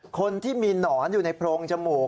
คนที่มีหนอนอยู่ในโพรงจมูก